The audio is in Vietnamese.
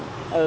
ở cơ quan học